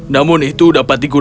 namun itu dapat dikendalikan